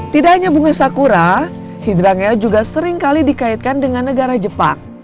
tidak hanya bunga sakura hidrangnya juga seringkali dikaitkan dengan negara jepang